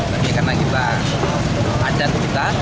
tapi karena kita ada ke kita